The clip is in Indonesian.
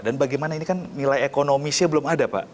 dan bagaimana ini kan nilai ekonomisnya belum ada pak